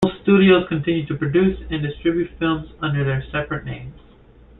Both studios continued to produce and distribute films under their separate names.